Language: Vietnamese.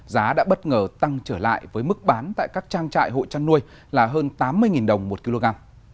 giá đã bất ngờ tăng trở lại với mức bán tại các trang trại hộ chăn nuôi là hơn tám mươi đồng một kg